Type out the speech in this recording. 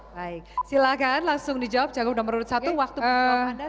baik silakan langsung dijawab cagup nomor satu waktu pertama anda